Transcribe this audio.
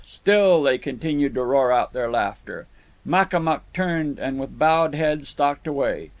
Still they continued to roar out their laughter. Makamuk turned, and with bowed head stalked away.